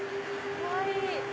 かわいい！